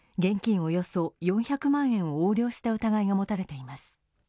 およそ８４００万円を横領した疑いが持たれています。